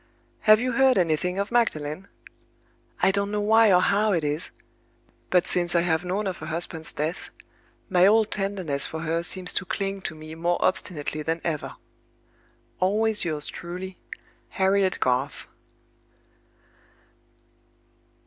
"Have you heard anything of Magdalen? I don't know why or how it is; but since I have known of her husband's death, my old tenderness for her seems to cling to me more obstinately than ever. "Always yours truly, "HARRIET GARTH."